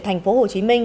thành phố hồ chí minh